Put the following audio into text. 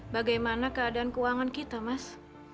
bagaimana keadaan keuangan kita mas